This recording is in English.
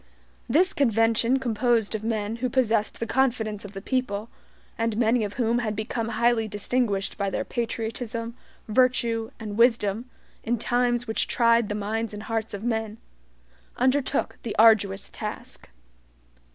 This convention composed of men who possessed the confidence of the people, and many of whom had become highly distinguished by their patriotism, virtue and wisdom, in times which tried the minds and hearts of men, undertook the arduous task.